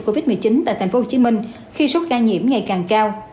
phòng chống dịch covid một mươi chín tại tp hcm khi số ca nhiễm ngày càng cao